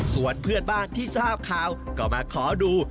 ส่วนเพื่อนบ้านที่ทราบข่าวก็มาขอดู